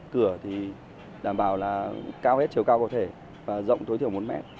cửa thì đảm bảo là cao hết chiều cao có thể và rộng thối thiểu một mét